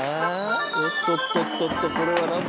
おっとっとっとっとこれは。